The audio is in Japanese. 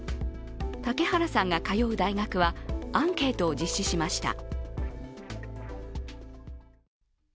嵩原さんが通う大学はアンケートを実施しました。